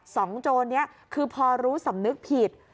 โจรนี้คือพอรู้สำนึกผิด